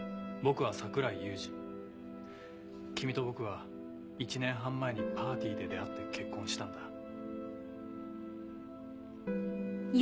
僕は桜井裕司君と僕は１年半前にパーティーで出会って結婚したんだ